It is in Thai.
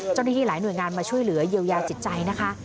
เจ้าหน้าที่หลายหน่วยงานมาช่วยเหลือเยียวยาจิตใจนะคะ